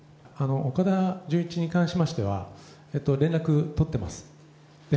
岡田准一に関しましては、連絡取ってます。